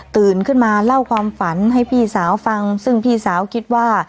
ตื่นขึ้นมาเล่าความฝันให้พี่สาวฟังซึ่งพี่สาวคิดว่า